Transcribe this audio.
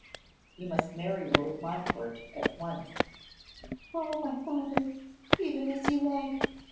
'You must marry Lord Montfort at once.' 'Oh! my father, even as you like.